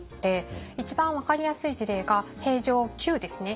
一番分かりやすい事例が平城宮ですね。